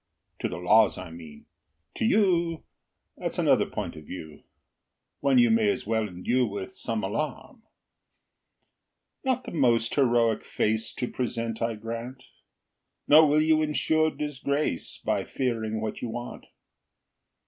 To the laws, I mean. To you That's another point of view, One you may as well indue With some alarm. Not the most heroic face To present, I grant; Nor will you insure disgrace By fearing what you want.